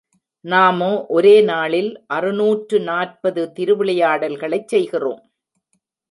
நாமோ ஒரே நாளில் அறுநூற்று நாற்பது திருவிளையாடல்களைச் செய்கிறோம்.